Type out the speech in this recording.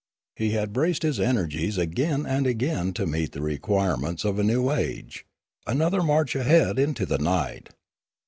He had braced his energies again and again to meet the requirements of a new age, another march ahead into the night.